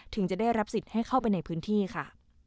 จะได้รับสิทธิ์ให้เข้าไปในพื้นที่ค่ะ